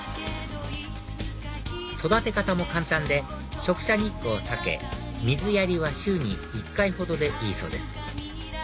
育て方も簡単で直射日光を避け水やりは週に１回ほどでいいそうです